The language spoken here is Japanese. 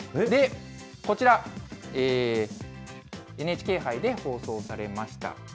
こちら、ＮＨＫ杯で放送されました。